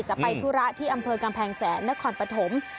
จะไปธุระที่อำเภอกำแพงแสนนครปฐม